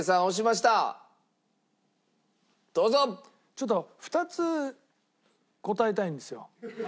ちょっと２つ答えたいんですよ。